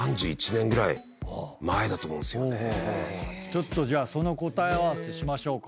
ちょっとじゃあその答え合わせしましょうか。